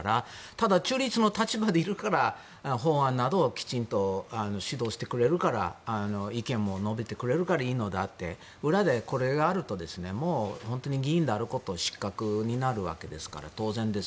ただ、中立の立場でいるから法案などをきちんと主導してくれるから意見も述べてくれるからいいのであって裏でこれがあるともう議員であるのは失格になるわけですから当然です。